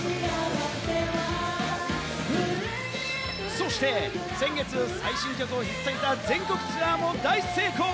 そして先月、最新曲を引っさげた全国ツアーも大成功。